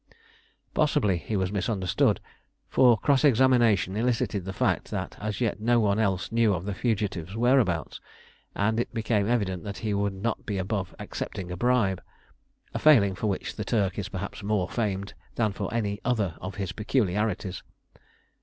Possibly he was misunderstood, for cross examination elicited the fact that as yet no one else knew of the fugitives' whereabouts, and it became evident that he would not be above accepting a bribe a failing for which the Turk is perhaps more famed than for any other of his peculiarities.